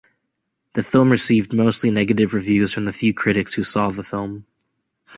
The film received mostly negative reviews from the few critics who saw the film.